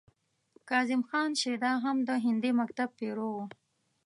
کاظم خان شیدا هم د هندي مکتب پیرو و.